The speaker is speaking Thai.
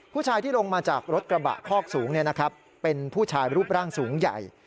ผู้ชายที่ลงมาจากรถกระบะคอกสูงเป็นผู้ชายรูปร่างสูงใหญ่